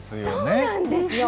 そうなんですよ。